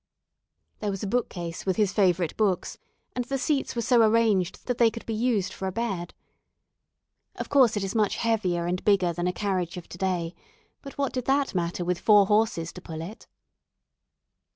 There was a bookcase with his favourite books, and the seats were so arranged that they could be used for a bed. Of course it is much heavier and bigger than a carriage of to day, but what did that matter with four horses to pull it?